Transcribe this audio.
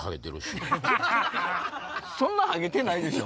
そんなハゲてないでしょ。